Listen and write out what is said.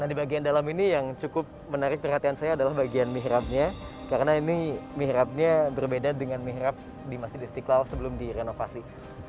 nah di bagian dalam ini yang cukup menarik perhatian saya adalah bagian mihrabnya karena ini mihrabnya berbeda dengan mihrab di masjid istiqlal sebelum direnovasi